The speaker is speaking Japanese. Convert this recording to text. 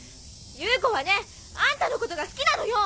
夕子はねあんたのことが好きなのよ！